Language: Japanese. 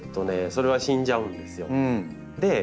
それは死んじゃうんですよ。